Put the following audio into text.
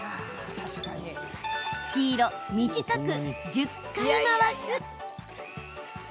黄色・短く１０回回す。